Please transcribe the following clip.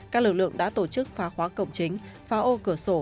các lực lượng đã tổ chức phá khóa cổng chính phá ô cửa sổ